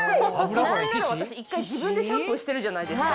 何なら私１回自分でシャンプーしてるじゃないですか。